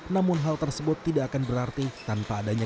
namun hal tersebut tidak akan berarti tanpa adanya